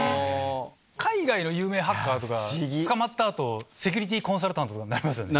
海外の有名ハッカーとか、捕まったあと、セキュリティコンサルタントとかなりますよね。